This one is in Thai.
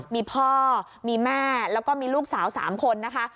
มีพ่อมีแม่แล้วก็มีลูกสาว๓คนนะคะ